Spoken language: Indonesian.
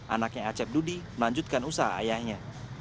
anaknya acep dudi melanjutkan usaha ayahnya